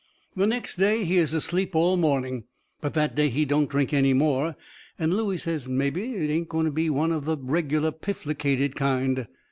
The next day he is asleep all morning. But that day he don't drink any more, and Looey says mebby it ain't going to be one of the reg'lar pifflicated kind.